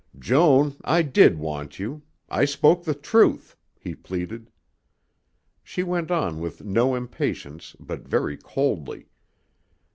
"Joan, I did want you. I spoke the truth," he pleaded. She went on with no impatience but very coldly.